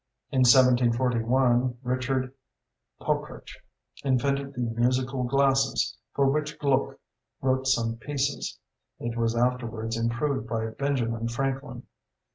In 1741 Richard Pockrich invented the Musical Glasses, for which Gluck wrote some pieces: it was afterwards improved by Benjamin Franklin.